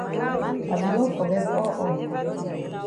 I be don forget all all.